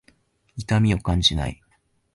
痛みを感じない。